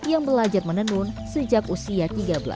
yang belajar menenun sejak usia tiga belas